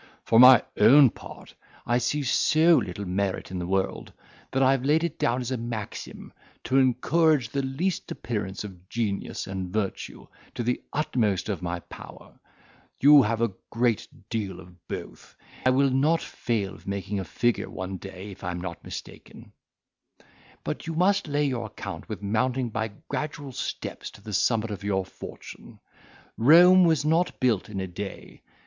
For my own part, I see so little merit in the world, that I have laid it down as a maxim, to encourage the least appearance of genius and virtue to the utmost of my power: you have a great deal of both; and will not fail of making a figure one day, if I am not mistaken; but you must lay your account with mounting by gradual steps to the summit of your fortune. Rome was not built in a day.